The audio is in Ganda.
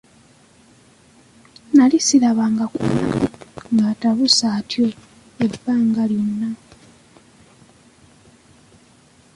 Nnali ssirabanga ku mami ng'atabuse atyo ebbanga lyonna.